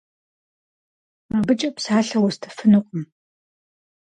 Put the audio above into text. Абыкӏэ псалъэ уэстыфынукъым.